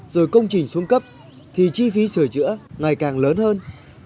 rồi công trình xuống cấp thì chi phí sửa chữa ngày càng lớn hơn